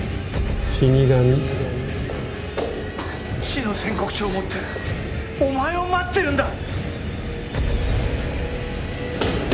死の宣告書を持ってお前を待ってるんだ！